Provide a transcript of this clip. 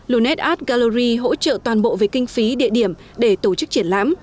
lunette art gallery hỗ trợ toàn bộ về kinh phí địa điểm để tổ chức triển lãm